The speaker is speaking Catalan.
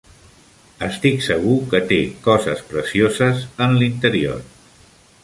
Estic segur que té coses precioses en l'interior!